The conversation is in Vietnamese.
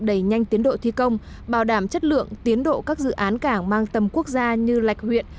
đẩy nhanh tiến độ thi công bảo đảm chất lượng tiến độ các dự án cảng mang tầm quốc gia như lạch huyện